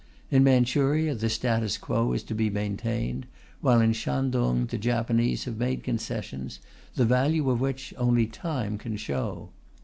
In Manchuria the status quo is to be maintained, while in Shantung the Japanese have made concessions, the value of which only time can show.